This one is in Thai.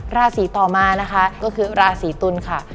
ราศีต่อมานะคะก็คือราศีตุลค่ะ